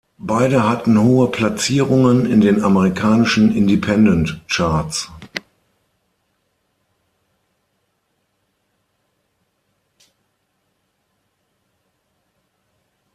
Beide hatten hohe Platzierungen in den amerikanischen Independent-Charts.